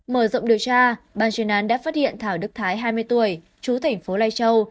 mở rộng điều tra ban chuyên án đã phát hiện thảo đức thái hai mươi tuổi chú thành phố lai châu